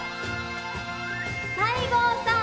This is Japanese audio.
西郷さん！